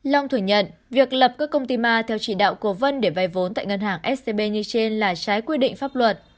long thừa nhận việc lập các công ty ma theo chỉ đạo của vân để vay vốn tại ngân hàng scb như trên là trái quy định pháp luật